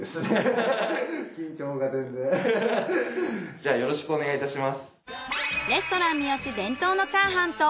じゃあよろしくお願いいたします。